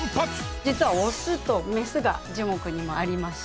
実はオスとメスが樹木にもありまして。